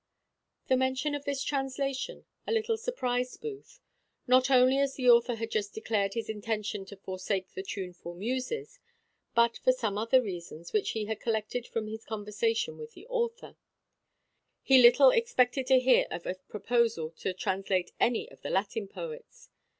The mention of this translation a little surprized Booth; not only as the author had just declared his intentions to forsake the tuneful muses; but, for some other reasons which he had collected from his conversation with our author, he little expected to hear of a proposal to translate any of the Latin poets.